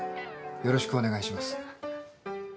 よろしくお願いします